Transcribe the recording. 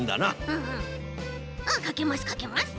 うんかけますかけます。